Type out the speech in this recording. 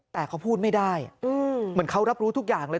แต่เขาพูดไม่ได้เหมือนเขารับรู้ทุกอย่างเลย